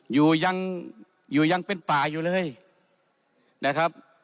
อยู่ยังเป็นปลาอยู่เลยนะครับ